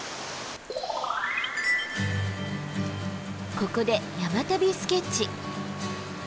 ここで「山旅スケッチ」。